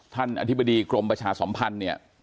อธิบดีกรมประชาสัมพันธ์เนี่ย